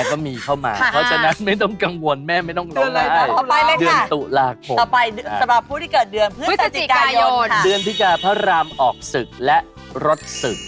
ก็คือทำไมมันไม่มีเจ้งหรอกครับ